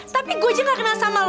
tapi gue aja gak kenal sama lo